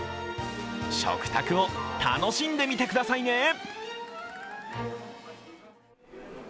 食卓を楽しんでみてくださいね。